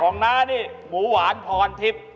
ของน้านี่หมูหวานพอนทิพย์